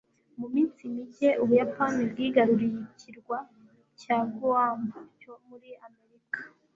mu minsi mike, ubuyapani bwigaruriye ikirwa cya guam cyo muri amerika